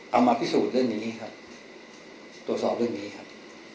เอามาพิสูจน์เรื่องนี้ครับตรวจสอบเรื่องนี้ครับ